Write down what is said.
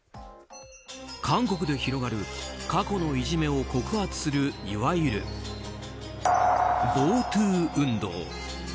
韓国で広がる過去のいじめを告発するいわゆる「暴Ｔｏｏ」運動。